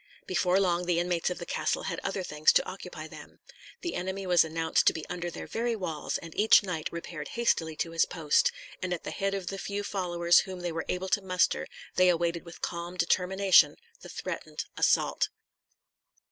Before long the inmates of the castle had other things to occupy them. The enemy was announced to be under their very walls; and each knight repaired hastily to his post, and at the head of the few followers whom they were able to muster they awaited with calm determination the threatened assault.